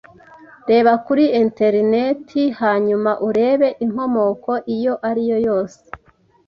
Reba kuri enterineti hanyuma urebe inkomoko iyo ari yo yose